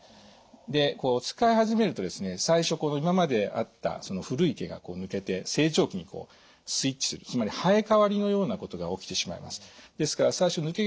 で使い始めるとですね最初今まであった古い毛が抜けて成長期にスイッチするつまり生え替わりのようなことが起きてしまいます。